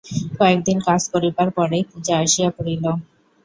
কয়েকদিন কাজ করিবার পরেই পূজা আসিয়া পড়িল।